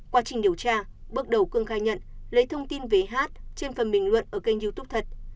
quá trình điều tra bước đầu cương khai nhận lấy thông tin về hát trên phần bình luận ở kênh youtube thật